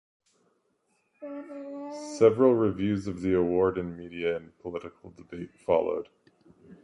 Several reviews of the award and a media and political debate followed.